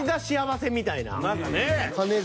何かねぇ。